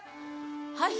はい。